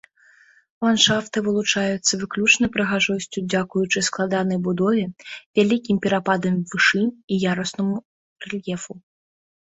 Ландшафты вылучаюцца выключнай прыгажосцю дзякуючы складанай будове, вялікім перападам вышынь і яруснаму рэльефу.